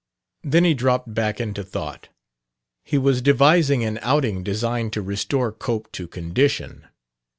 Then he dropped back into thought. He was devising an outing designed to restore Cope to condition.